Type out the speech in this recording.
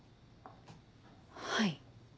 はい。